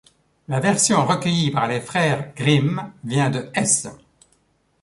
La version recueillie par les frères Grimm vient de Hesse.